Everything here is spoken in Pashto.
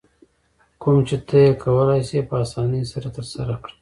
کوم چې ته یې کولای شې په اسانۍ سره یې ترسره کړې.